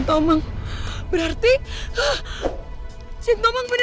tomang berarti jinn tomang beneran